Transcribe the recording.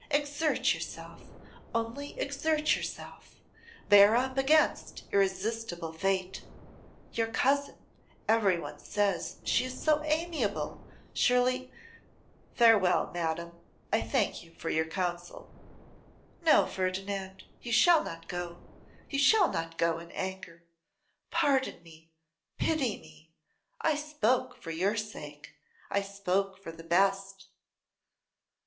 Exert yourself, only exert yourself, bear up against irresistible fate. Your cousin, everyone says she is so amiable; surely ' 'Farewell, madam, I thank you for your counsel.' 'No, Ferdinand, you shall not go, you shall not go in anger. Pardon me, pity me, I spoke for your sake, I spoke for the best.